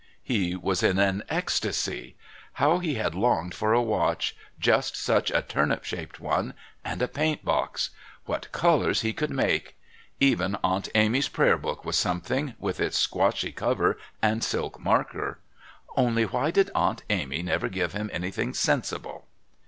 He was in an ecstasy. How he had longed for a watch, just such a turnip shaped one, and a paint box. What colours he could make! Even Aunt Amy's prayer book was something, with its squashy cover and silk marker (only why did Aunt Amy never give him anything sensible?).